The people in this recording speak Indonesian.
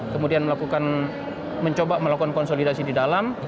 kemudian melakukan mencoba melakukan konsolidasi di dalam